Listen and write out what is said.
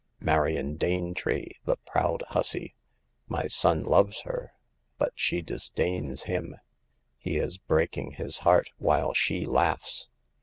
'* Marion Danetree — the proud hussey ! My son loves her, but she disdains him. He is breaking his heart, while she laughs.